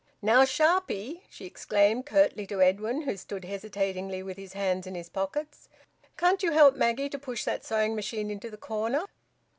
"Now, sharpy!" she exclaimed curtly to Edwin, who stood hesitatingly with his hands in his pockets. "Can't you help Maggie to push that sewing machine into the corner?"